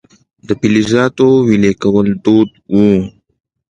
د فلزاتو ویلې کول دود و